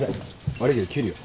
悪いけど切るよ。